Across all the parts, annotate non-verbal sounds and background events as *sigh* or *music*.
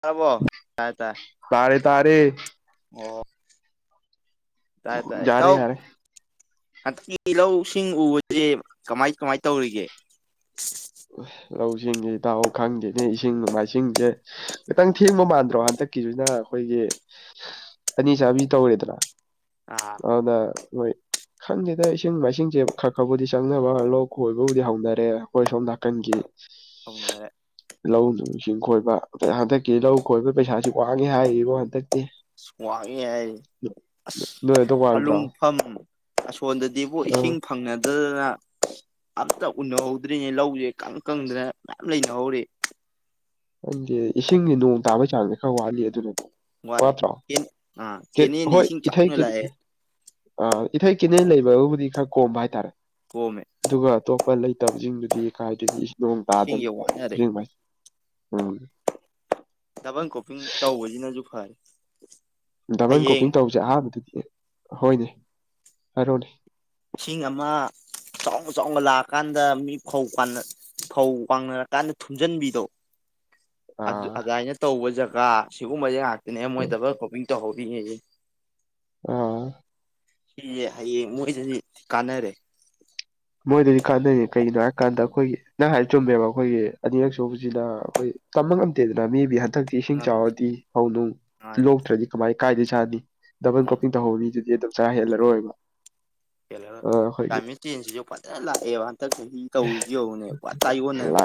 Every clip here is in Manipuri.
ꯇꯔꯕꯣ ꯇꯥꯏ ꯇꯥꯏ ꯇꯔꯦ ꯇꯥꯔꯦ ꯑꯣ ꯌꯥꯔꯦ ꯌꯥꯔꯦ ꯍꯟꯛꯇꯤ ꯂꯧꯁꯤꯡ ꯎꯕꯁꯦ ꯀꯃꯥꯏ ꯀꯃꯥꯏ ꯇꯧꯔꯤꯒꯦ ꯂꯧꯁꯤꯡꯁꯤ ꯇꯍ ꯈꯪꯗꯦꯅꯦ ꯏꯁꯤꯡ ꯅꯨꯡꯃꯥꯏꯁꯤꯡꯁꯦ ꯈꯤꯇꯪ ꯊꯦꯡꯕ ꯃꯥꯟꯗ꯭ꯔꯣ ꯍꯟꯗꯛ ꯀꯤꯁꯤꯅ ꯑꯩꯈꯣꯏꯒꯤ ꯑꯅꯤ ꯆꯥꯕꯤ ꯇꯧꯔꯦꯗꯅ ꯑꯥ ꯑꯗꯨꯅ ꯍꯣꯏ ꯈꯪꯗꯦꯗ ꯏꯁꯤꯡ ꯃꯥꯏꯁꯤꯡꯁꯦ ꯈꯔ ꯈꯔꯕꯨꯗꯤ ꯆꯪꯅꯕ ꯂꯣꯛ ꯈꯣꯏꯕꯕꯨꯗꯤ ꯍꯧꯅꯔꯦ ꯑꯩꯈꯣꯏ ꯁꯣꯝꯗ ꯀꯪꯒꯤ ꯑꯅꯦꯔ ꯂꯧꯗꯨ ꯏꯁꯤꯡ ꯈꯣꯏꯕ ꯍꯟꯗꯛꯀꯤ ꯂꯧ ꯈꯣꯏꯕꯒꯤ ꯄꯩꯁꯥꯁꯤ ꯋꯥꯡꯉꯦ ꯍꯥꯏꯔꯤꯕꯣ ꯍꯟꯗꯛꯇꯤ ꯋꯥꯡꯉꯦ ꯍꯥꯏ ꯅꯣꯏ ꯑꯁ ꯑꯗꯨ ꯋꯥꯡꯗ꯭ꯔꯣ ꯍꯂꯨꯡꯐꯝ ꯑꯃ ꯐꯣꯟꯗꯗꯤꯕꯨ ꯑꯥ ꯏꯁꯤꯡ ꯐꯪꯅꯗꯗꯅ ꯑꯝꯇ ꯎꯅꯍꯧꯗ꯭ꯔꯤꯅꯦ ꯂꯧꯁꯦ ꯀꯪ ꯀꯪꯗꯅ ꯃꯌꯥꯝ ꯂꯩꯅꯍꯧꯔ ꯅꯪꯗꯤ ꯏꯁꯤꯡꯁ ꯅꯣꯡ ꯇꯥꯕꯒꯤ ꯆꯥꯡꯁꯦ ꯈꯔ ꯋꯥꯠꯂꯤ ꯑꯗꯨꯅ ꯋꯥꯔꯦ ꯑꯥ ꯀꯠ ꯀꯦꯅꯦꯜꯗꯤ ꯍꯣꯏ ꯏꯁꯤꯡ ꯏꯊꯩ ꯆꯥꯎꯅ ꯀꯠ ꯂꯥꯛꯑꯦ ꯑ ꯏꯊꯩ ꯀꯦꯠꯅꯦ ꯂꯩꯕ ꯕꯨꯗꯤ ꯈꯔ ꯀꯣꯝꯕ ꯍꯥꯏꯇꯥꯔꯦ ꯀꯣꯝꯃꯦ ꯑꯗꯨꯒ ꯑꯇꯣꯞꯄ ꯂꯩꯇꯕꯁꯤꯡꯗꯨꯗꯤ ꯀꯥꯏꯗꯒꯤ ꯅꯣꯡ ꯏꯁꯤꯡꯁꯦ ꯋꯥꯅꯔꯦ ꯇꯥꯗꯅꯥꯏ ꯎꯝ ꯕꯪ ꯀꯣꯄꯤꯡ ꯇꯧꯕꯁꯤꯅꯁꯨ ꯐꯔꯦ ꯗꯕꯜ ꯍꯌꯦꯡ ꯀ꯭ꯔꯣꯄꯤꯡ ꯇꯧꯕꯁꯦ ꯑꯍꯥꯟꯕꯗꯨꯗꯤ ꯍꯣꯏꯅꯦ ꯍꯥꯏꯔꯣꯅꯦ ꯏꯁꯤꯡ ꯑꯃ ꯆꯥꯎꯕ ꯆꯥꯎꯕ ꯂꯥꯛꯑꯀꯥꯟꯗ ꯃꯤ ꯐꯧ ꯄꯅ ꯐꯧ ꯋꯥꯡꯅꯔꯀꯥꯟꯗ ꯊꯨꯝꯖꯤꯟꯕꯤꯗꯣ ꯑꯗꯨ ꯑꯥ ꯑꯗꯨꯃꯥꯏꯅ ꯇꯧꯕ ꯖꯒꯥ ꯁꯤꯒꯨꯝꯕꯁꯦ ꯉꯥꯛꯇꯅꯦ ꯃꯣꯏ ꯗꯕꯜ ꯀꯣꯄꯤꯡ ꯍꯧꯕꯤ ꯑꯥ ꯁꯤꯁꯦ ꯍꯌꯦꯡ ꯃꯣꯏꯁꯤꯗꯤ ꯀꯥꯟꯅꯔꯦ ꯃꯣꯏꯗꯗꯤ ꯀꯥꯟꯅꯩ ꯀꯩꯒꯤꯅꯣ ꯍꯥꯏꯔ ꯀꯥꯟꯗ ꯑꯩꯈꯣꯏꯒꯤ ꯅ ꯆꯨꯝꯃꯦꯕ ꯑꯩꯈꯣꯏꯒꯤ ꯑꯅꯤꯔꯛꯁꯨꯕꯁꯤꯅ ꯑꯩꯈꯣꯏ ꯀꯝꯕ ꯉꯝꯗꯦꯗꯅ ꯃꯤꯟ ꯃꯊꯛꯇꯤ ꯏꯁꯤꯡ ꯉꯝꯗꯦ ꯆꯥꯎꯔꯗꯤ ꯍꯧꯅꯨꯡ ꯂꯣꯛꯇ꯭ꯔꯗꯤ ꯀꯃꯥꯏ ꯀꯥꯏꯗ ꯆꯥꯅꯤ ꯗꯕꯜ ꯀ꯭ꯔꯣꯄꯤꯡ ꯇꯍꯧꯕ ꯃꯤꯗꯨꯗꯤ ꯑꯗꯨꯝ ꯆꯥ ꯁꯨꯝ ꯍꯦꯜꯂꯔꯣꯏꯕ ꯑꯩꯈꯣꯏꯒꯤ ꯁꯤꯁꯨ ꯐꯖꯅ ꯂꯥꯛꯑꯦꯕ ꯍꯟꯗꯛꯁꯨ ꯍꯤ ꯀꯧꯔꯤꯁꯤ ꯌꯧꯨꯅꯦ ꯄꯨ ꯇꯥ ꯌꯣꯟꯅꯔꯦ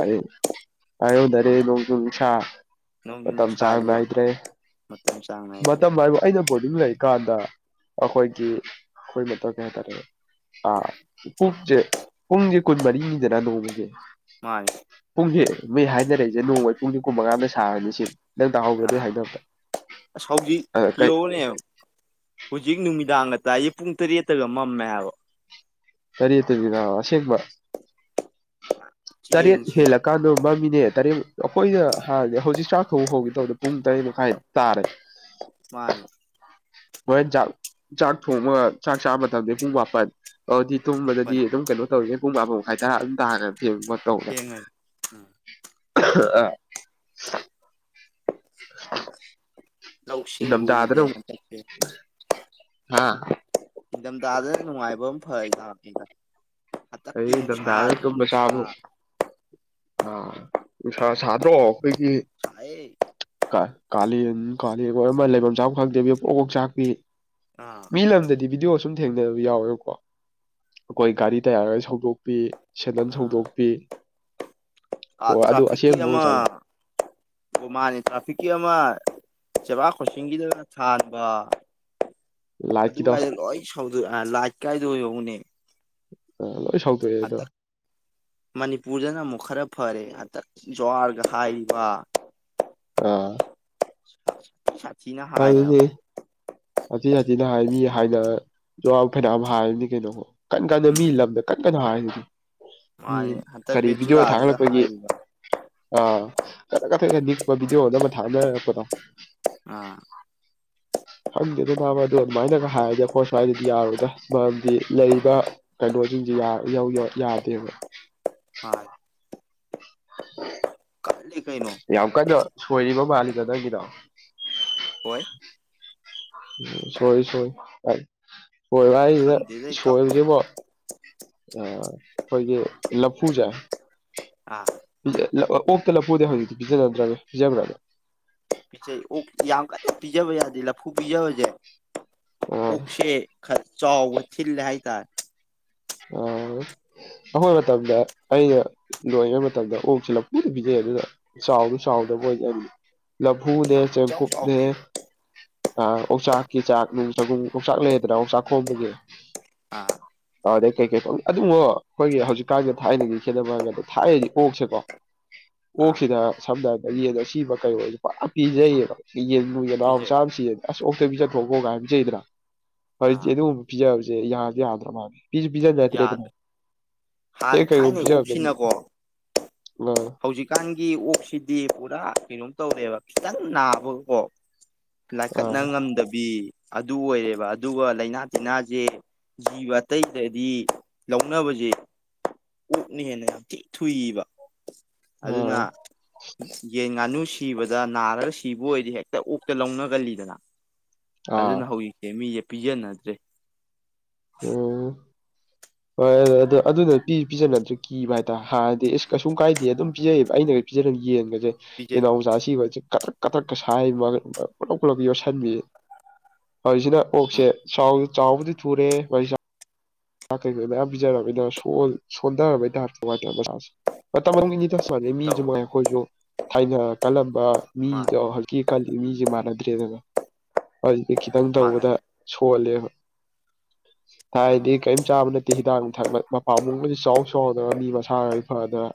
ꯑꯣꯗꯔꯦ ꯂꯁ ꯃꯇꯝ ꯅꯣꯡꯖꯨ ꯃꯇꯝ ꯅꯨꯡꯁꯥꯁꯦ ꯆꯥꯥꯏꯗ꯭ꯔꯦ ꯃꯇꯝ ꯆꯥꯡ ꯅꯥꯏꯗꯦ ꯃꯇꯝ ꯑꯩꯅ ꯐꯣꯂꯤ ꯂꯩꯦ ꯀꯥꯟꯗ ꯑꯩꯈꯣꯏꯒꯤ ꯑꯩꯈꯣꯏ ꯃꯇꯧ ꯀꯩ ꯍꯥꯏꯇꯥꯔꯦ ꯄꯨꯛꯁꯦ ꯄꯨꯡꯁꯦ ꯀꯨꯠ ꯃꯔꯤꯅꯤꯗꯔ ꯂꯧꯕꯁꯦ ꯃꯥ ꯃꯤ ꯍꯥꯏꯅꯔꯛꯏꯁꯦ ꯅꯣꯡꯃꯩ ꯄꯨꯡꯒꯤ ꯀꯨꯟ ꯃꯉꯥꯗ ꯁꯥꯔꯅꯤ ꯁꯤ ꯅꯪ ꯇꯥꯛꯍꯧꯕ ꯑꯗꯨꯗꯤ ꯑꯥ ꯍꯥꯏꯗ ꯑꯁ ꯍꯧꯖꯤꯛ ꯑ ꯀꯩ ꯌꯦꯡꯉꯨꯅꯦ ꯍꯧꯖꯤꯛ ꯅꯨꯃꯤꯗꯥꯡꯒ ꯇꯥꯏꯁꯦ ꯄꯨꯡ ꯇꯔꯦꯠꯇꯒ ꯃꯝꯃꯦ ꯍꯥꯏꯕ ꯇꯔꯤꯑ ꯇꯔꯤ ꯑꯁꯦꯦꯛ ꯇꯔꯦ ꯆꯦꯟꯖꯁꯦ ꯍꯦꯂꯀꯥꯟꯗꯣ ꯃꯃꯤ ꯏꯅꯦ ꯇꯔꯦꯠ ꯑꯩꯈꯣꯏꯗ ꯍꯥꯟꯗꯤ ꯍꯧꯖꯤꯛ ꯆꯥꯛ ꯊꯕ ꯍꯧꯈꯤꯦ ꯇꯧꯕꯗ ꯄꯨꯡ ꯇꯔꯦꯠ ꯃꯈꯥꯏ ꯇꯥꯔꯦ ꯃꯥꯅꯦ ꯃꯣꯔꯦꯟ ꯆꯥꯛ ꯆꯥꯛ ꯊꯣꯡꯉꯒ ꯆꯥꯛ ꯆꯥꯕ ꯃꯇꯝꯗ ꯄꯨꯡ ꯃꯥꯄꯜ ꯑꯗꯨꯗꯤ ꯃꯥꯄꯜ ꯇꯣꯡꯕꯗꯗꯤ ꯑꯗꯨꯝ ꯀꯩꯅꯣ ꯇꯧꯔꯤꯁꯦ ꯄꯨꯡ ꯃꯥ ꯃꯈꯥꯏ ꯇꯥ ꯑꯗꯨꯝ ꯇꯥꯒ ꯊꯦꯡ ꯇꯧꯗ ꯊꯦꯡꯉꯅꯤ ꯎꯝ ꯑ ꯅꯧꯁꯤ ꯍꯨ ꯍꯧꯦ ꯅꯤꯡꯊꯝꯊꯥꯗꯅ ꯆꯁꯦ ꯍꯥꯥ ꯏꯊꯝ ꯇꯥꯗꯅ ꯅꯨꯡꯉꯥꯏꯕ ꯑꯃ ꯐꯩꯅ ꯑꯩ ꯅꯟꯗꯥꯒ ꯇꯨꯝꯕ ꯆꯥꯕ꯭ꯔꯣ ꯑꯥ ꯎꯁꯥ ꯁꯥꯗ꯭ꯔꯣ ꯑꯩꯈꯣꯏꯒꯤ ꯁꯥꯏꯌꯦ ꯀꯥꯂꯦꯟ ꯀꯥꯂꯦꯟ ꯑꯣꯏ ꯑꯃ ꯂꯩꯐꯝ ꯆꯥꯛ ꯐꯪꯗꯕꯤ ꯄꯀꯣꯛ ꯆꯥꯛꯄꯤ ꯑꯥ ꯃꯤ ꯂꯝꯗꯗꯤ ꯚꯗꯤꯑꯣ ꯁꯨꯝ ꯊꯦꯡꯅꯅꯕ ꯌꯥꯎꯋꯦꯕꯀꯣ ꯑꯩꯈꯣꯏ ꯒꯥꯔꯤ ꯇꯌꯥꯔꯒ ꯁꯧꯗꯣꯛ ꯄꯤ ꯁꯦꯟꯗꯟ ꯁꯧꯗꯣꯛꯄꯤ ꯑ ꯑꯣ ꯑꯗꯨ ꯇ꯭ꯔꯥꯐꯤꯛꯀꯤ ꯑꯁꯦꯡꯕ ꯑꯃ ꯑꯣꯏꯖꯥꯠꯂ ꯃꯥꯅꯤ ꯇ꯭ꯔꯥꯐꯤꯛꯀꯤ ꯑꯃ ꯆꯕ ꯈꯁꯤꯒꯤꯤꯗ ꯊꯠꯕ ꯑꯗꯨ ꯂꯥꯏꯠꯀꯤꯗꯣ ꯀꯥꯏꯗ ꯂꯣꯏ ꯁꯧꯗꯣꯛꯑ ꯂꯥꯏꯠ ꯀꯥꯏꯗꯣ ꯌꯧꯅꯦ ꯂꯣꯏ ꯁꯧꯗꯣꯛꯑꯦ ꯑ ꯑꯗꯣ ꯃꯅꯤꯄꯨꯔꯗꯅ ꯃ ꯈꯔ ꯐꯔꯦ ꯑꯗ ꯖꯋꯥꯔꯒ ꯍꯥꯏꯕ ꯑꯥ *inaudible* ꯑꯗꯨꯗꯤ ꯍꯥꯏꯕ ꯁꯥꯊꯤ ꯁꯥꯊꯤꯅ ꯍꯥꯏꯅꯤ ꯍꯥꯏꯅ ꯖꯋꯥ ꯐꯅꯥ ꯑꯃ ꯍꯥꯏꯔꯅꯤ ꯀꯩꯅꯣꯣ ꯀꯟ ꯀꯗ ꯃꯤ ꯎꯝ ꯂꯝꯗ ꯀꯟ ꯀꯩꯅꯣ ꯍꯥꯏꯗꯨꯅꯤ ꯃꯤ ꯃꯥꯅꯦ ꯍꯟꯇꯛ ꯀꯔꯤ ꯚꯤꯗꯤꯑꯣ ꯕꯦꯟꯆꯨꯂꯥꯗꯒ ꯊꯥꯒꯠꯂꯛꯄꯒꯤ ꯍꯥꯏꯔꯤꯕ ꯑꯥ ꯀ ꯀꯄꯗꯤꯗ ꯊꯥꯗ ꯀ ꯑꯥ ꯈꯪꯗꯦꯗ ꯅꯕꯗꯣ ꯑꯗꯨꯃꯥꯏꯅꯒ ꯍꯥꯏꯔꯗꯤ ꯑꯩꯈꯣꯏ ꯁ꯭ꯋꯥꯏꯗꯗꯤ ꯌꯥꯔꯣꯏꯗ꯭ꯔ ꯃꯔꯝꯗꯤ ꯌꯥꯔꯣꯏ ꯂꯩꯔꯤꯕ ꯀꯩꯅꯣꯁꯤꯡꯁꯦ ꯌꯥ ꯌꯎ ꯌ ꯌꯥꯗꯕ ꯍ ꯀꯩꯅꯣ ꯌꯥꯝ ꯀꯟꯅꯣ ꯁꯣꯏꯔꯤꯕ ꯃꯥꯜꯂꯤꯒꯗꯗꯒꯤꯔꯣ ꯍꯣꯏ ꯎ ꯁꯣꯏ ꯁꯣꯏ ꯁꯣꯏꯕ ꯍꯥꯏꯁꯤꯅ ꯈꯪꯗꯦꯗ ꯏꯇꯥꯎ ꯁꯣꯏꯔꯁꯤꯕꯣ ꯑꯩꯈꯣꯏꯒꯤ ꯂꯐꯨꯁꯦ ꯑꯥ ꯑꯣꯛꯇꯂꯄꯗ ꯍꯪꯉꯦ ꯕꯤꯖꯗ꯭ꯔꯅꯦ ꯖꯒꯔꯗ ꯄꯤꯁ ꯑꯣ ꯌꯥꯝ ꯀ ꯄꯤꯖꯕ ꯌꯥꯗꯦ ꯂ ꯐꯨ ꯄꯤꯖꯕꯖꯦ ꯑꯥ ꯎꯛꯁꯦ ꯈ ꯆ ꯋꯥ ꯊꯜ ꯂ ꯍꯥꯏ ꯆ ꯑ ꯑꯩꯈꯣꯏ ꯃꯇꯝꯗ ꯑꯩꯅ ꯅꯣꯏꯉꯩ ꯃꯇꯝꯗ ꯑꯣꯛꯁꯤ ꯂꯐꯨꯗ ꯄꯤꯖꯩ ꯑꯗꯨꯗ ꯆꯥꯎꯗ ꯆꯥꯎꯗ ꯣ ꯂꯘꯨꯅꯦ ꯏꯆꯥꯎ ꯆꯦꯡꯀꯨꯨꯞꯅꯦ ꯆꯥꯎꯗꯦꯕ ꯑ ꯀꯧꯆꯥꯛꯀꯤ ꯆꯥꯛ ꯅꯨꯡ ꯆꯒꯨꯝ ꯀꯣꯡꯆꯥꯛ ꯂꯩꯗꯅ ꯑꯣꯧꯆꯥꯛ ꯈꯣꯝꯕꯒꯤ ꯑꯥ ꯑ ꯑꯗꯩ ꯀꯩꯀꯩꯪ ꯑꯗꯨꯝꯉꯣ ꯑꯩꯈꯣꯏꯒꯤ ꯍꯧꯖꯤꯛꯀꯥꯟꯒꯤ ꯊꯥꯏꯅꯒꯤ ꯈꯦꯠꯅꯕꯒꯗ ꯊꯥꯏꯅꯗꯤ ꯑꯣꯛꯁꯦꯀꯣ ꯑꯥ ꯀꯣꯛꯁꯤꯗ ꯁꯝꯅ ꯍꯥꯏꯔꯕ ꯌꯦꯗꯣ ꯑꯁꯤꯕ ꯀꯩ ꯑꯣꯏꯁ ꯄꯥꯛ ꯄꯤꯖꯩꯌꯦꯕ ꯌꯦꯟꯨ ꯌꯦꯅꯥꯥꯎ ꯃꯆꯥ ꯄꯤꯖꯩ ꯑꯃ ꯁꯤꯖꯦ ꯑꯁ ꯑꯣꯛꯇ ꯄꯤꯖꯠꯊꯣꯛꯄꯣꯒꯥꯏꯖꯩꯗꯅ ꯍꯧꯖꯤꯛꯇꯤ ꯑꯥ ꯑꯗꯨꯒꯨꯝꯕ ꯄꯤꯖ ꯦ ꯌꯥ ꯌꯥꯗ꯭ꯔ ꯃꯥꯅꯤ ꯖ ꯕꯤꯖꯔꯦ ꯑꯗꯨꯅ ꯌꯥꯗ꯭ꯔꯦ ꯍꯦ ꯍꯥꯟꯅ ꯊꯥꯏꯅꯩ ꯀꯥꯏꯖ ꯑꯣꯛꯁꯤꯅꯀꯣ ꯍꯧꯖꯤꯛꯀꯥꯟꯒꯤ ꯑꯣꯛꯁꯤꯗꯤ ꯄꯨꯔꯥ ꯀꯩꯅꯣꯝ ꯇꯧꯔꯦꯕ ꯈꯤꯇꯪ ꯅꯥꯕꯀꯣ ꯑ ꯂꯥꯏꯀꯠꯅ ꯉꯝꯗꯕꯤ ꯑꯗꯨ ꯑꯣꯏꯔꯦꯕ ꯑꯗꯨꯒ ꯂꯥꯏꯅꯥ ꯇꯤꯟꯅꯥꯁꯦ ꯖꯤꯕ ꯑꯇꯩꯗꯗꯤ ꯂꯧꯅꯕꯁꯦ ꯑꯣꯛꯅ ꯍꯦꯟꯅ ꯌꯥꯝ ꯊꯤ ꯊꯨꯏꯕ ꯑ ꯑꯗꯨꯅ ꯌꯦꯟ ꯉꯥꯅꯨ ꯁꯤꯕꯗ ꯅꯥꯔꯒ ꯁꯤꯕ ꯑꯣꯏꯔꯗꯤ ꯍꯦꯛꯇ ꯑꯣꯛꯇ ꯂꯧꯅꯒꯜꯂꯤꯗꯅ ꯑ ꯑꯗꯨꯅ ꯍꯧꯖꯤꯛꯁꯦ ꯃꯤꯁꯦ ꯄꯤꯖꯅꯗ꯭ꯔꯦ ꯎꯝ ꯍꯣꯏ ꯑꯗꯨ ꯑꯗꯨ ꯑꯗꯨꯅ ꯄꯤ ꯄꯤꯖꯅꯗ꯭ꯔꯁꯨ ꯀꯤꯕ ꯍꯥꯏꯇꯥꯦ ꯍꯥꯟꯅꯗꯤ ꯏꯁꯁ ꯀꯩꯁꯨꯝ ꯀꯥꯏꯗꯦ ꯑꯗꯨꯝ ꯄꯤꯖꯩꯑꯕ ꯑꯩꯅ ꯐꯖꯅ ꯌꯦꯡꯒꯁꯦ ꯄꯤꯖꯩ ꯌꯦꯅꯥꯎꯖꯥ ꯁꯤꯕꯁꯦ ꯀꯊꯛꯀ ꯁꯥꯥꯏꯩ ꯄꯨꯂꯞ ꯄꯨꯂꯞ ꯌꯣꯠꯁꯤꯟꯕꯤ ꯍꯧꯖꯤꯛꯁꯤꯅ ꯑꯣꯛꯁꯦ ꯆꯥꯎ ꯆ ꯆꯥꯎꯥꯕꯗꯤ ꯊꯨꯔꯦ ꯇꯀꯩ ꯈꯗꯕꯤꯖꯥꯔ ꯁꯣ ꯁꯣꯟꯗꯥꯔ ꯇ ꯃꯇꯝ ꯑꯃꯅꯤꯗꯁꯨꯃꯥꯟꯅꯩ ꯃꯤꯁꯨ ꯇꯧꯋꯦ ꯃꯥꯏ ꯑꯩꯈꯣꯏꯁꯨ ꯊꯥꯏꯅ ꯀꯜꯂꯝꯕ ꯃꯥꯅꯦ ꯃꯤꯗꯣ ꯍꯧꯖꯤꯛꯀꯤ ꯈꯜꯂꯤ ꯃꯤꯁꯦ ꯃꯥꯟꯅꯗ꯭ꯔꯦꯗꯅ ꯍꯧꯖꯤꯛꯇꯤ ꯈꯤꯇꯪ ꯇꯧꯕꯗ ꯃꯥꯟꯅꯗ꯭ꯔꯦ ꯁꯣꯜꯂꯦꯕ ꯎꯝ ꯍꯥꯏꯗꯤ ꯆꯥꯕ ꯅꯠꯇꯦ ꯍꯤꯗꯥꯛ ꯊꯛ ꯃꯄꯥ ꯃꯨꯡꯒꯁꯨ ꯆꯥꯎ ꯆꯥꯎꯗꯕ ꯃꯤ ꯃꯁꯥ ꯈꯗꯤ ꯐꯗꯅ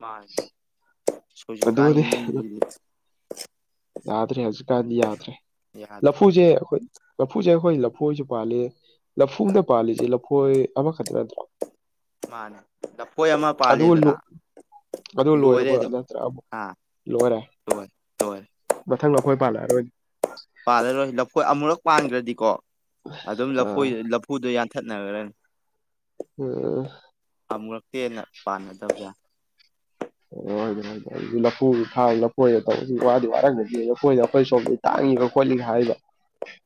ꯃꯥ ꯁꯣꯏꯁꯨ ꯑꯗꯨꯅꯤ ꯀꯥꯏꯉ ꯃꯤ ꯌꯥꯗ꯭ꯔꯦ ꯍꯧꯖꯤꯛꯀꯥꯟꯗꯤ ꯌꯥꯗ꯭ꯔꯦ ꯌꯥꯗ꯭ꯔꯦ ꯂꯐꯨꯁꯦ ꯑꯩꯈꯣꯏ ꯂꯐꯨꯁꯦ ꯑꯩꯈꯣꯏ ꯂꯐꯣꯏꯁꯨ ꯄꯥꯜꯂꯤ ꯂꯐꯨꯅ ꯄꯥꯜꯂꯤꯁꯦ ꯂꯐꯣꯏ ꯑꯃꯈꯛꯇ ꯅꯠꯇ꯭ꯔꯣ ꯃꯥꯅꯦ ꯂꯐꯣꯏ ꯑꯃ ꯑꯗꯨꯒ ꯄꯥꯜꯂꯤꯗꯅ ꯂꯣꯏꯔꯦꯗꯣ ꯨꯛ ꯂꯣꯏꯔꯦ ꯂꯣꯏꯔꯦ ꯃꯊꯪ ꯅꯈꯣꯏ ꯄꯥꯜꯂꯛꯑꯔꯣꯏ ꯄꯥꯜꯂꯔꯣꯏ ꯂꯐꯣꯏ ꯑꯃꯨꯔꯛ ꯄꯥꯟꯈ꯭ꯔꯗꯤꯀꯣ ꯑꯗꯨꯝ ꯂꯐꯣꯏ ꯂꯐꯨꯗꯣ ꯊꯠꯅꯈ꯭ꯔꯅꯤ ꯍꯣꯏꯅꯦ ꯄꯥꯃꯨꯔꯛꯇꯦꯅ ꯄꯥꯟꯅꯗꯕꯖꯥ ꯑꯣ ꯍꯣꯏ ꯍꯣꯏ ꯑꯗꯨ ꯂꯐꯨꯁꯨ ꯊ ꯂꯐꯣꯏꯒ ꯇꯧꯕ ꯋꯥꯗꯤ ꯋꯥꯔꯝꯗꯗꯤ ꯂꯐꯣꯏꯗ ꯑꯩꯈꯣꯏ ꯁꯣꯝꯗ ꯊꯥꯛ ꯈꯪꯒ ꯈꯣꯠꯂꯤꯒ ꯍꯥꯏꯔꯤꯕ ꯍ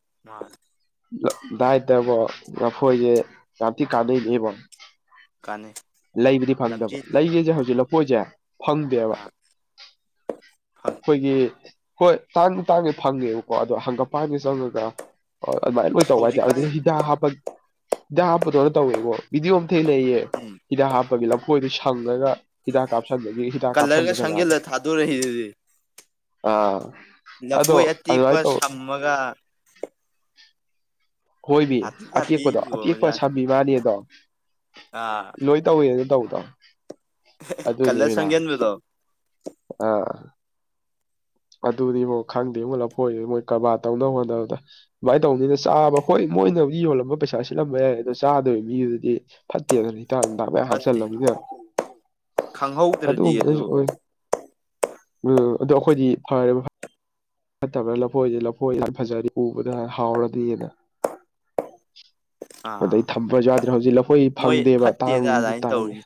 ꯗꯥꯏꯇꯕꯣ ꯂꯐꯣꯏꯁꯦ ꯔꯥꯇ ꯀꯥꯟꯗꯩꯅꯦꯕꯣ ꯀꯥꯟꯅꯩ ꯂꯩꯕꯨꯗꯤ ꯐꯪꯗꯕ ꯂꯝꯖꯦꯟ ꯂꯩꯔꯤꯁꯦ ꯍꯧꯖꯤꯛ ꯂꯄꯣꯛꯁꯦ ꯐꯪꯗꯦꯕ ꯑꯥ ꯑꯩꯈꯣꯏꯒꯤ ꯍꯣꯏ ꯇꯥꯡ ꯇꯥꯡꯉ ꯐꯪꯉꯦꯕꯀꯣ ꯑꯗꯣ ꯍꯪꯀꯄꯥꯟꯒ ꯆꯪꯉꯒ ꯑꯗꯨꯃꯥꯏꯅ ꯂꯣꯏ ꯇꯧꯕ ꯍꯥꯏꯇꯥꯔꯦ ꯍꯧꯖꯤꯛꯀꯥꯟ ꯑꯗꯨꯅ ꯍꯤꯗꯥꯛ ꯍꯥꯞꯄ ꯍꯤꯗꯥꯛꯞꯄꯗꯧꯅ ꯇꯧꯋꯦꯀꯣ ꯕꯤꯗꯤꯑꯣꯝ ꯏꯊꯦꯡ ꯂꯩꯩꯌꯦ ꯍꯤꯗꯥꯛ ꯍꯥꯞꯄꯒꯤ ꯂꯐꯣꯏꯗꯨꯣ ꯁꯪꯉꯒ ꯍꯤꯗꯥꯛ ꯀꯥꯞ ꯀꯥꯞ ꯁꯟꯕꯒꯤ ꯍꯤꯗꯥꯛ ꯀꯥꯞ ꯀꯂꯔꯒ ꯁꯟꯕꯖꯥꯒꯗ ꯁꯪꯖꯜꯂ ꯊꯥꯗꯣꯔꯛꯏꯗꯨꯗꯤ ꯑꯥ ꯑꯗꯣ ꯂꯐꯣꯏ ꯑ ꯍꯥꯏ ꯑꯇꯦꯛꯄ ꯇꯣ ꯁꯝꯃꯒ ꯍꯣꯏꯃꯤ ꯁꯥꯊꯤ ꯁꯥꯊꯤ ꯑꯇꯦꯛꯄꯗꯣ ꯑꯇꯦꯛꯄ ꯌꯣꯝꯃꯖꯥꯠꯅꯤ ꯁꯥꯕꯤ ꯃꯥꯅꯦ ꯑꯗꯣ ꯑꯥ ꯂꯣꯏ ꯇꯧꯏꯑꯦ ꯑꯗꯨ ꯇꯧ ꯇꯧ ꯑꯗꯨꯗꯤ ꯀꯜꯂ ꯃꯤꯗꯥ ꯁꯪꯖꯟꯕꯗꯣ ꯑꯥ ꯑꯗꯨꯅꯤꯕꯣ ꯈꯪꯗꯦꯕꯣ ꯂꯐꯣꯏ ꯃꯣꯏ ꯀꯔꯕꯥꯔ ꯇꯧꯅꯕ ꯍꯣꯠꯅꯕꯗ ꯑꯗꯨꯃꯥꯏꯅ ꯇꯧꯅꯤꯅ ꯆꯥꯕ ꯍꯣꯏ ꯃꯣꯏꯅꯕꯨꯗꯤ ꯌꯣꯜꯂꯝꯕ ꯄꯩꯁꯥ ꯁꯤꯜꯂꯝꯕ ꯌꯥꯏ ꯑꯗꯣ ꯆꯥꯗꯧꯔꯤꯕ ꯃꯤꯗꯨꯗꯤ ꯐꯠꯇꯦ ꯑꯗꯨꯅ ꯍꯇꯥꯛ ꯆꯥꯛ ꯃ ꯐꯠꯇꯦ ꯍꯥꯞꯆꯜꯂꯅꯤꯅ ꯈꯪꯍꯧꯗ꯭ꯔꯗꯤ ꯑꯗꯨ ꯑꯗꯨꯒꯨꯝꯕꯅꯁꯨ ꯑꯣꯏ ꯎꯝ ꯑꯗꯨ ꯑꯩꯈꯣꯏꯗꯤ ꯐꯔꯦ ꯐꯠꯇꯕ꯭ꯔꯥ ꯂꯐꯣꯏꯁꯦ ꯂꯐꯣꯏꯁꯦ ꯐꯖꯔ ꯎꯕꯗ ꯍꯥꯎꯔꯗꯤꯅ ꯑꯗꯩ ꯑꯥ ꯊꯝꯕ ꯌꯥꯗ꯭ꯔꯦ ꯍꯧꯖꯤꯛ ꯂꯈꯣꯏ ꯃꯣꯏ ꯐꯪꯗꯦꯕ ꯐꯠꯇꯦꯗ ꯇꯥꯡꯕꯨ ꯑꯗꯥꯏꯅ ꯇꯥꯡꯉꯦ ꯇꯧꯔꯤ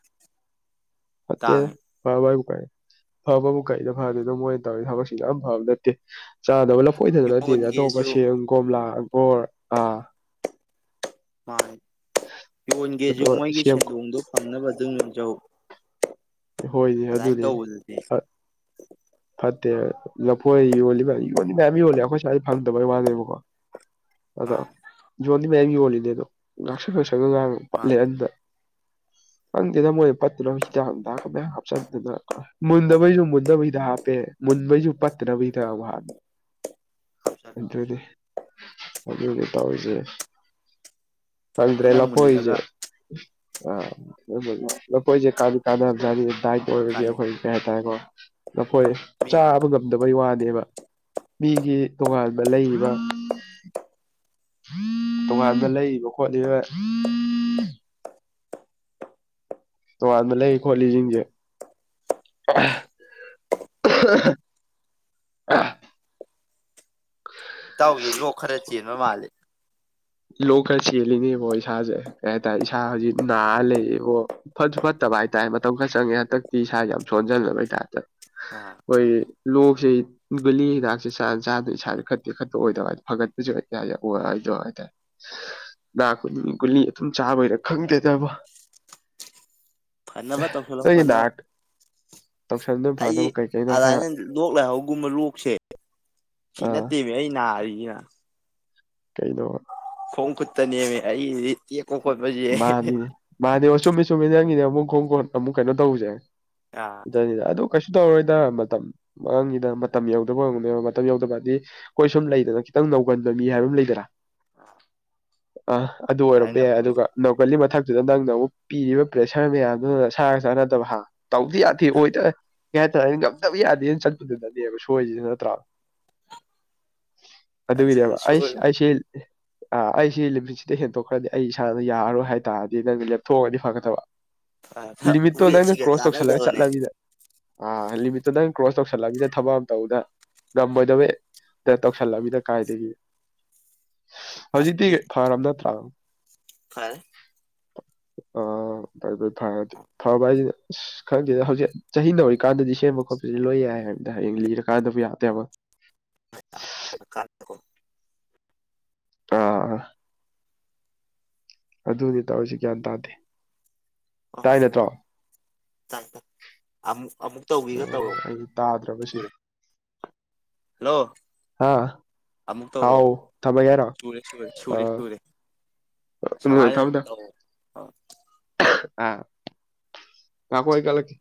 ꯐꯇꯦ ꯇꯥꯡꯉꯤ ꯐꯕꯍꯥꯏꯕꯨ ꯐꯕꯕꯨ ꯀꯩꯗ ꯐꯗꯣꯏꯅꯣ ꯃꯣꯏꯅ ꯇꯧꯔꯤ ꯊꯕꯛꯁꯤꯅ ꯌꯥꯝ ꯐꯕ ꯅꯠꯇꯦ ꯆꯥꯅꯕ ꯂꯐꯣꯏꯊꯗ ꯅꯠꯇꯦꯅꯦ ꯑꯇꯣꯞꯄ ꯌꯣꯟꯒꯦꯁꯨ ꯁꯦꯝ ꯀꯣꯝꯂꯥ ꯑꯪꯒꯣꯔ ꯑꯥ ꯃꯥ ꯌꯣꯟꯒꯦꯁꯨ ꯑꯗꯣ ꯃꯣꯏꯒꯤ ꯁꯦꯝ ꯁꯦꯟꯗꯣꯡꯗꯣ ꯐꯪꯅꯕ ꯑꯗꯨꯝ ꯌꯣꯟꯖꯧ ꯍꯣꯏꯅꯦ ꯑꯗꯥꯏꯅ ꯑꯗꯨꯗꯤꯅꯦ ꯇꯧꯕꯗꯨꯗꯤ ꯐꯠ ꯂꯐꯣꯏ ꯌꯣꯜꯂꯤꯕ ꯌꯣꯜꯂꯤꯕ ꯃꯌꯥꯝ ꯌꯣꯜꯂꯤ ꯑꯩꯈꯣꯏ ꯁ꯭ꯋꯥꯏ ꯐꯪꯗꯕꯩ ꯋꯥꯅꯦꯕꯀꯣ ꯑꯗ ꯑꯥ ꯌꯣꯟꯗꯤ ꯃꯌꯥꯝ ꯌꯣꯜꯂꯤꯗꯦꯗꯣ ꯉꯥꯛꯁ ꯉꯁ ꯃꯥꯅꯤ ꯄꯠꯂꯦꯗ ꯍꯪꯗꯤꯗ ꯃꯣꯏ ꯄꯠꯇ ꯅꯨꯡꯗꯥꯛ ꯃ ꯍꯥꯞꯆꯟꯗꯅ ꯃꯨꯟꯗꯕꯩꯁꯨ ꯃꯨꯟꯅꯕꯩꯗ ꯍꯥꯞꯄꯦ ꯃꯨꯟꯕꯩꯁꯨ ꯄꯠꯇꯅꯕꯩ ꯍꯤꯗꯥꯛ ꯍꯞꯄꯦ *inaudible* ꯑꯗꯨꯅꯤ ꯑꯗꯨ ꯍꯧꯖꯤ ꯇꯧꯔꯤꯁꯦ ꯈꯪꯗ꯭ꯔꯦ ꯐꯖꯅ ꯂꯐꯣꯏꯁꯦ ꯃꯨꯜꯂꯒ ꯑ ꯂꯦ ꯂꯐꯣꯏꯁꯦ ꯀꯥꯗꯤ ꯀꯥꯅꯕꯅꯦ ꯉꯗꯤ ꯗꯥꯏꯠ ꯑꯣꯏꯕꯒꯤ ꯀꯥꯟꯅꯩ ꯑꯩꯈꯣꯏ ꯀꯩ ꯍꯥꯏꯇꯥꯔꯦꯀꯣ ꯅꯈꯣꯏ ꯃꯤ ꯆꯥꯕ ꯉꯝꯗꯕꯩ ꯋꯥꯅꯦꯕ ꯃꯤꯒꯤ ꯇꯣꯉꯥꯟꯕ ꯂꯩꯔꯤꯕ ꯇꯣꯉꯥꯟꯕ ꯂꯩꯔꯤꯕ ꯈꯣꯠꯂꯤꯕ ꯇꯣꯉꯥꯟꯥꯟꯕ ꯂꯩ ꯈꯣꯠꯂꯤꯁꯤꯡꯁꯦ *inaudible* *inaudible* ꯢꯇꯧꯒꯤ ꯂꯣꯛ ꯈꯔ ꯆꯦꯟꯕ ꯃꯥꯜꯂꯦ ꯂꯣꯛ ꯈꯔ ꯆꯦꯜꯂꯤꯅꯦꯕꯣ ꯏꯁꯥꯁꯦ ꯀꯩ ꯍꯥꯏꯇꯥꯔꯦ ꯏꯁꯥ ꯍꯧꯖꯤꯛ ꯅꯥꯔ ꯂꯩꯌꯦꯕꯣ ꯐꯠꯁꯨ ꯐꯠꯇꯕ ꯚ ꯍꯥꯏ ꯇꯥꯏ ꯃꯇꯝ ꯈꯔ ꯆꯪꯉꯦ ꯍꯟꯗꯛꯇꯤ ꯏꯁꯥ ꯌꯥꯝ ꯁꯣꯟꯖꯜꯂꯕꯇꯥꯥꯏꯇ ꯑ ꯑꯩꯈꯣꯏ ꯂꯣꯛꯁꯤ ꯒꯨꯂꯤ ꯍꯤꯗꯥꯛꯁꯦ ꯆꯥ ꯆꯥꯗ ꯏꯁꯥꯗ ꯈꯠꯇꯤ ꯈꯛꯇ ꯑꯣꯏꯗꯕ ꯍꯥꯏꯗꯤ ꯐꯒꯠꯄꯁꯨ ꯍꯥꯏꯇꯥ ꯍꯥꯏꯗ ꯍꯥꯏ ꯇ ꯂ ꯀꯨꯟꯅꯤ ꯀꯨꯟꯅꯤ ꯑꯗꯨꯝ ꯆꯥꯕꯩꯔ ꯈꯪꯗꯦꯗꯕ ꯐꯅꯕ ꯇꯧꯁꯂꯣ ꯅꯪꯒꯤ ꯐꯅ ꯅꯍꯥꯛ ꯇꯧꯁꯟꯗꯨꯅ ꯐꯅꯕ ꯑꯩꯁ ꯀꯩ ꯀꯩꯅꯣ ꯈꯔ ꯑꯗꯥꯥꯏꯅ ꯂꯣꯛ ꯂꯥꯏꯍꯧꯒꯨꯝꯕ ꯂꯣꯛꯁꯦ ꯁꯤ ꯑ ꯅꯠꯇꯦꯃꯦ ꯑꯩꯅꯔꯤꯁꯤꯅ ꯀꯩꯩꯅꯣ ꯈꯣꯡ ꯈꯨꯠꯇ ꯅꯦꯝꯃꯦ ꯑꯩꯗꯤ ꯃꯥꯗꯤ ꯃꯗꯤꯁꯨ ꯃꯤ ꯁꯨꯝꯃꯤꯊꯪꯒꯤꯅꯦ ꯑꯃꯨꯛ ꯈꯣꯡ ꯈꯣꯟ ꯑꯃꯨꯛ ꯀꯩꯅꯣ ꯑꯥ ꯇꯧꯁꯦꯇꯅꯤꯗ ꯑꯗꯨ ꯀꯩꯁꯨ ꯇꯧꯔꯣꯏꯗ ꯃꯇꯝ ꯃꯥꯡꯒꯤꯗ ꯃꯇꯝ ꯌꯧꯗꯕ ꯑꯣꯏꯅꯦꯕ ꯃꯇꯝ ꯌꯧꯗꯕ ꯍꯥꯏꯗꯤ ꯀꯣꯏ ꯁꯨꯝ ꯂꯩꯗꯅ ꯈꯤꯇꯪ ꯅꯧꯒꯟꯕ ꯃꯤ ꯍꯥꯏꯕ ꯑꯃ ꯂꯩꯗꯅ ꯑꯥ ꯑ ꯑꯗꯨ ꯑꯣꯏꯔꯝꯕ ꯌꯥꯏ ꯑꯗꯨꯒ ꯅꯒꯟ ꯃꯊꯛꯇꯨꯗ ꯅꯪꯅ ꯑꯃꯨꯛ ꯄꯤꯔꯤꯕ ꯄ꯭ꯔꯦꯁꯔ ꯃꯌꯥꯝꯗꯨ ꯁꯥꯒ ꯆꯥꯟꯅꯗꯕ ꯍꯥ ꯇꯧꯗ ꯌꯥꯗꯦ ꯑꯣꯏꯗ ꯌꯥꯗꯦ ꯀꯩ ꯍꯥꯏꯇꯥꯔꯦ ꯉꯝꯗꯕ ꯌꯥꯗꯦ ꯆꯠꯄꯗꯨ ꯅꯠꯇꯦꯕ ꯁꯣꯏꯁꯤꯁꯨ ꯅꯠꯇ꯭ꯔꯥ ꯑꯗꯨꯅ ꯑꯗꯨꯒꯤꯅꯦꯕ ꯑꯩꯁ ꯁꯣꯏꯕ ꯑꯩꯁꯤ ꯑꯩꯁꯤ ꯂꯤꯃꯤꯠꯁꯤꯗ ꯍꯦꯟꯗꯣꯛꯈ꯭ꯔꯗꯤ ꯑꯩ ꯏꯁꯥꯅ ꯌꯥꯔꯔꯣꯏ ꯍꯥꯏꯇꯥꯥꯔꯗꯤ ꯅꯪ ꯂꯦꯞꯊꯣꯛꯑꯒꯗꯤ ꯐꯒꯗꯕ ꯂꯤꯃꯤꯠꯇꯣ ꯅꯪꯅ ꯋꯦꯠꯁꯤꯒ ꯀ꯭ꯔꯣꯁ ꯇꯧꯁꯜꯂꯒ ꯆꯥꯟꯅꯗꯕꯅꯦ ꯆꯠꯂꯅꯤꯗ ꯑꯥ ꯂꯤꯃꯤꯠꯇꯨ ꯅꯪ ꯀ꯭ꯔꯣꯁ ꯇꯧꯁꯜꯂꯒꯗ ꯊꯕꯛ ꯑꯃ ꯇꯧꯕꯗ ꯉꯝꯃꯣꯏꯗꯕ ꯗ ꯇꯧꯁꯜꯂꯃꯤꯅ ꯀꯥꯏꯗꯒꯤ ꯍꯧꯖꯤꯛꯇꯤ ꯐꯔꯕ ꯅꯠꯇ꯭ꯔꯥ ꯐꯔ ꯑ ꯐꯕ ꯐꯥꯎ ꯑꯁ ꯈꯪꯗꯦꯗ ꯍꯧꯖꯤꯛ ꯆꯍꯤ ꯅꯧꯔꯤꯀꯥꯟꯗꯗꯤ ꯁꯦꯝꯕ ꯈꯣꯠꯄꯁꯤꯗꯤ ꯂꯣꯏ ꯌꯥꯏ ꯍꯥꯏꯕꯗ ꯍꯌꯦꯡ ꯂꯤꯔꯀꯥꯟꯗꯕꯨ ꯌꯥꯗꯦꯕ *unintelligible* ꯑꯥ ꯑꯗꯨꯅꯤ ꯇꯧꯔꯤꯁꯦ ꯒ꯭ꯌꯥꯟ ꯇꯥꯗꯦ ꯍꯣꯏ ꯇꯥꯏ ꯍꯣꯏ ꯅꯠꯇ꯭ꯔꯣ ꯑꯣ ꯇꯥꯏ ꯇꯥꯏ ꯑꯃꯨꯛ ꯑꯃꯨꯛ ꯇꯧꯒꯦꯒ ꯇꯧꯔꯛꯑꯣ ꯑꯩ ꯇꯥꯗ꯭ꯔꯕ ꯁꯤꯅꯤ꯫ ꯁꯨꯔꯦ ꯍꯜꯂꯣ ꯍꯥꯥ ꯑꯃꯨꯛ ꯍꯥꯎ ꯇꯧꯔꯛꯑꯣ ꯊꯕꯒꯦꯔ ꯁꯥꯏ ꯑꯥ ꯉꯥꯢ ꯈꯣ ꯑꯩ ꯀꯛꯂꯛꯀꯦ